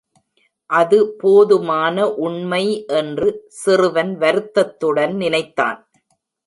அது போதுமான உண்மை என்று சிறுவன் வருத்தத்துடன் நினைத்தான்.